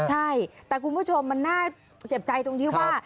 ใช่แต่คุณผู้ชมมันน่าเจ็บใจตรงที่ว่า